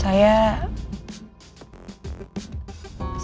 saya belum bilang